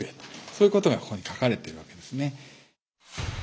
そういうことがここに書かれてるわけですね。